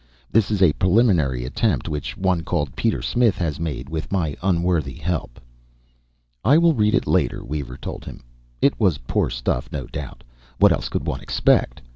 "This is a preliminary attempt which one called Peter Smith has made with my unworthy help." "I will read it later," Weaver told him. It was poor stuff, no doubt what else could one expect?